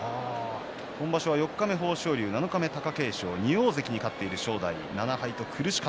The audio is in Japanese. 今場所は四日目、豊昇龍そして貴景勝と２大関に勝っている正代です。